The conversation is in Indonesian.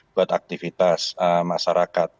buat aktivitas masyarakat